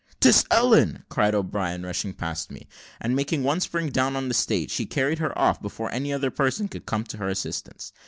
"'Tis Ellen!" cried O'Brien, rushing past me; and, making one spring down on the stage, he carried her off, before any other person could come to her assistance.